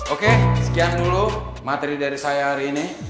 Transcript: oke sekian dulu materi dari saya hari ini